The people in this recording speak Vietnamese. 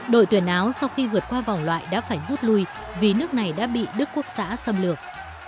đội tuyển áo sau khi vượt qua vòng loại đã phải rút lui vì nước này đã bị đức quốc xã xâm lược